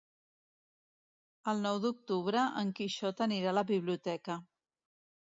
El nou d'octubre en Quixot anirà a la biblioteca.